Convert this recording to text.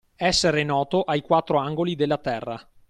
Essere noto ai quattro angoli della terra.